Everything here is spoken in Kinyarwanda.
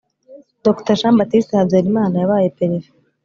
Dr Jean Baptiste Habyarimana yabaye Perefe